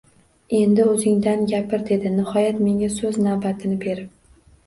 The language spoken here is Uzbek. Endi o`zingdan gapir, dedi nihoyat menga so`z navbatini berib